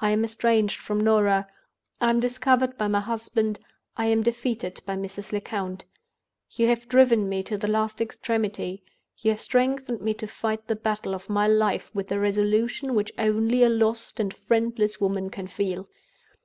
I am estranged from Norah—I am discovered by my husband—I am defeated by Mrs. Lecount. You have driven me to the last extremity; you have strengthened me to fight the battle of my life with the resolution which only a lost and friendless woman can feel.